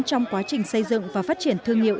trong quá trình xây dựng và phát triển thương hiệu